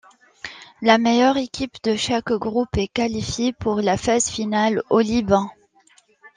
La meilleure équipe de chaque groupe est qualifiée pour la phase finale au Liban.